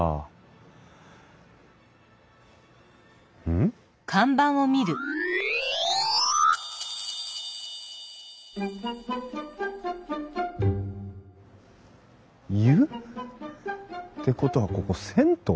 うん？湯？ってことはここ銭湯？